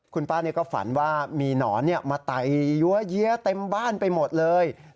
คุณป้าก็ฝันว่ามีหนอนมาไตยั้วเยี้ยเต็มบ้านไปหมดเลย